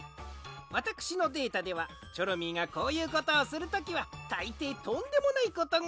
わたくしのデータではチョロミーがこういうことをするときはたいていとんでもないことが。